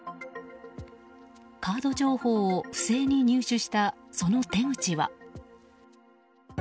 カード情報を不正に入手したその手口は。